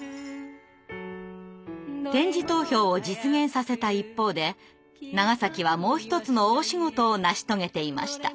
点字投票を実現させた一方で長はもう一つの大仕事を成し遂げていました。